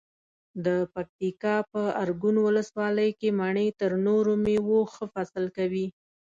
د پکتیکا په ارګون ولسوالۍ کې مڼې تر نورو مېوو ښه فصل کوي.